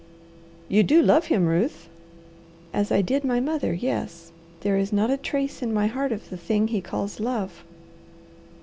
"You do love him, Ruth?" "As I did my mother, yes. There is not a trace in my heart of the thing he calls love."